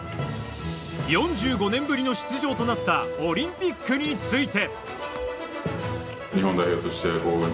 ４５年ぶりの出場となったオリンピックについて。